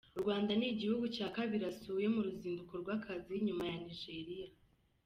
U Rwanda ni igihugu cya kabiri asuye mu ruzinduko rw’akazi nyuma ya Nigeria.